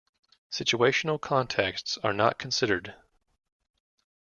Situational contexts are not considered.